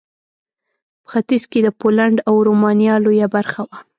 په ختیځ کې د پولنډ او رومانیا لویه برخه وه.